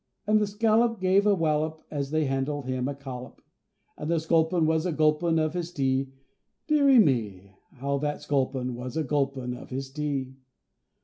And the Scallop gave a wallop as they handed him a collop And the Sculpin was a gulpin' of his tea,—deary me! How that Sculpin was a gulpin' of his tea!